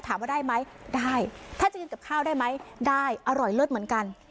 ถามว่าได้ไหมได้ถ้าจะกินกับข้าวได้ไหมได้อร่อยเลิศเหมือนกัน